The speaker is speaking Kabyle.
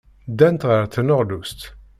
Ddant ɣer tneɣlust.